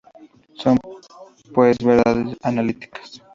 Son pues verdades analíticas.